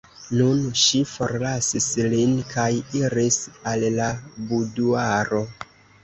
Nun ŝi forlasis lin kaj iris al la buduaro.